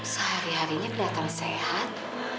sehari harinya tidak terlihat sehat